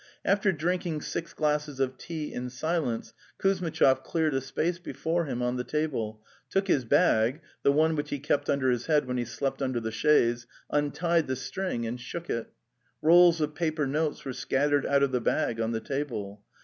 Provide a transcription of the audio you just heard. After drinking six glasses of tea in silence, Kuz mitchov cleared a space before him on the table, took his bag, the one which he kept under his head when he slept under the chaise, untied the string and shook it. Rolls of paper notes were scattered out of the bag on the table.